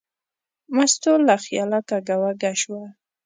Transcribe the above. مستو له خیاله کږه وږه شوه.